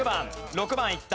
６番いった。